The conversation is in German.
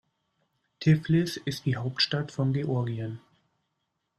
Tiflis ist die Hauptstadt von Georgien.